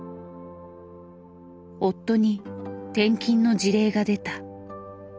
夫に転勤の辞令が出た。